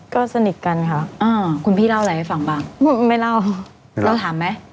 ก็สนิทกันค่ะคุณพี่เล่าอะไรให้ฟังบ้างไม่เล่าเราถามไหม